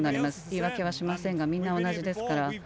言い訳はしませんがみんな同じですから。